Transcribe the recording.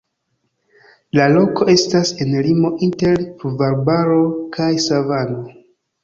La loko estas en limo inter pluvarbaro kaj savano.